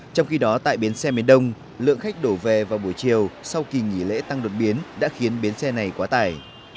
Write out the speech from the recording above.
trong khi đó tại bến xe miền đông lượng khách đổ về vào buổi chiều sau kỳ nghỉ lễ tăng đột biến đã khiến bến xe này quá tải